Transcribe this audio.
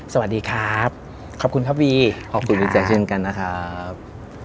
สวัสดีครับขอบคุณครับวีขอบคุณพี่แจ๊เช่นกันนะครับ